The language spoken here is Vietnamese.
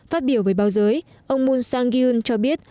phát biểu với báo giới ông moon sang kyung cho biết